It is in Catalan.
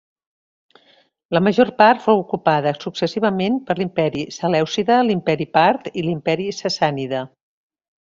La major part fou ocupada successivament per l'Imperi selèucida, l'Imperi part i l'Imperi sassànida.